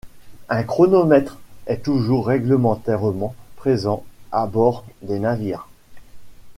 Un chronomètre est toujours réglementairement présent à bord des navires.